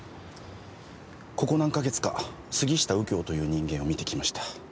ここ何か月か杉下右京という人間を見てきました。